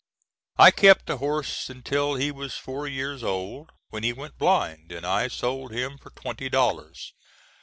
I kept the horse until he was four years old, when he went blind, and I sold him for twenty dollars.